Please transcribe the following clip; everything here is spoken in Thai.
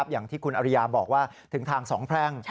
อย่างที่คุณอริยาบอกว่าถึงทางสองแพร่ง